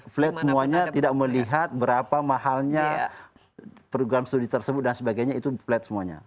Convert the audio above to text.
flat semuanya tidak melihat berapa mahalnya program studi tersebut dan sebagainya itu flat semuanya